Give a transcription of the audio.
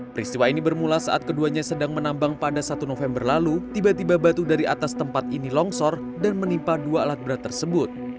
peristiwa ini bermula saat keduanya sedang menambang pada satu november lalu tiba tiba batu dari atas tempat ini longsor dan menimpa dua alat berat tersebut